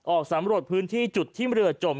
ออกสำรวจพื้นที่จุดที่เรือจม